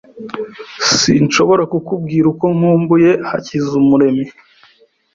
Sinshobora kukubwira uko nkumbuye Hakizamuremyi